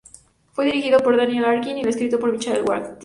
Fue dirigido por Daniel Arkin y escrito por Michael Watkins.